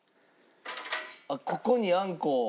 あっここにあんこを。